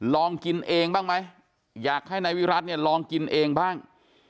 ลองกินเองบ้างไหมอยากให้นายวิรัติเนี่ยลองกินเองบ้าง